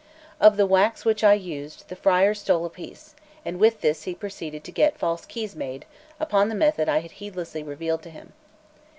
Of the wax which I used, the friar stole a piece; and with this he proceeded to get false keys made, upon the method I had heedlessly revealed to him.